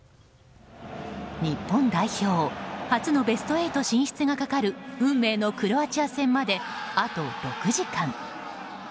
日本代表初のベスト８進出がかかる運命のクロアチア戦まであと６時間。